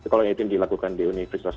kalau ini dilakukan di universitas